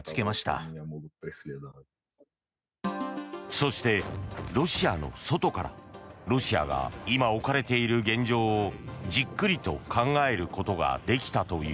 そして、ロシアの外からロシアが今置かれている現状をじっくりと考えることができたという。